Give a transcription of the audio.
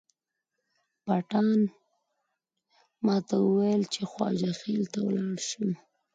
پټان ماته وویل چې خواجه خیل ته ولاړ شم.